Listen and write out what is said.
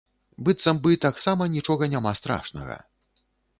Быццам бы таксама нічога няма страшнага.